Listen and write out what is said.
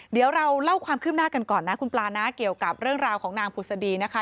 เดี๋ยวเราเล่าความคืบหน้ากันก่อนนะคุณปลานะเกี่ยวกับเรื่องราวของนางผุศดีนะคะ